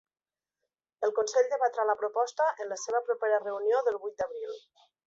El consell debatrà la proposta en la seva propera reunió del vuit d’abril.